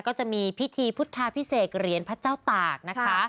ก็จะมีพิธีพุทธาพิเศษเหรียญพระเจ้าตากนะคะ